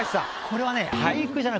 これはね